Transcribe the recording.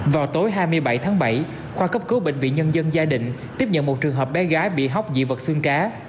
vào tối hai mươi bảy tháng bảy khoa cấp cứu bệnh viện nhân dân giai định tiếp nhận một trường hợp bé gái bị hóc dị vật xương cá